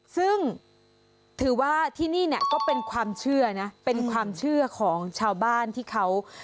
ซึ่งถือว่าที่นี่เนี่ยก็เป็นความเชื่อนะเป็นความเชื่อของชาวบ้านที่เขา